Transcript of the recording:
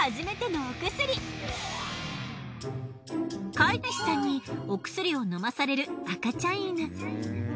飼い主さんにお薬を飲まされる赤ちゃん犬。